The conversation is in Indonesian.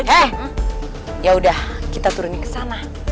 eh yaudah kita turunin ke sana